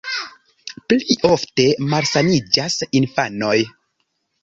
Pli ofte malsaniĝas infanoj.